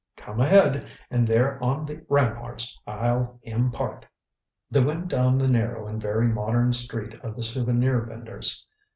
Come ahead, and there on the ramparts I'll impart." They went down the narrow and very modern street of the souvenir venders.